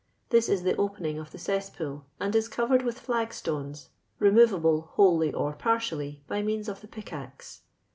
This is the opening of the cesspool, and is covered with flag stones, removable, wholly or partially, by means of the pickaxe.